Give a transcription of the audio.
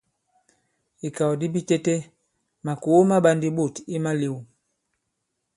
I ikàw di bitete makòo ma ɓā ndī ɓôt i malēw.